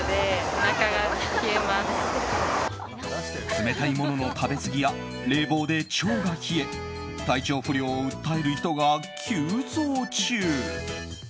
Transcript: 冷たいものの食べ過ぎや冷房で腸が冷え体調不良を訴える人が急増中。